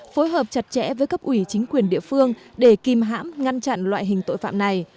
phối hợp chặt chẽ với cấp ủy chính quyền địa phương để kìm hãm ngăn chặn loại hình tội phạm này